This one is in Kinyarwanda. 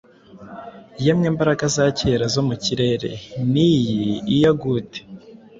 Yemwe mbaraga za kera zo mu kirere niyi i yagute,